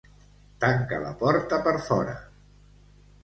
Tanca la porta per fora.